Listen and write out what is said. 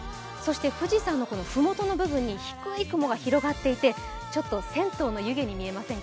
富士山のふもとの部分に低い雲が広がっていて銭湯の湯気に見えませんか？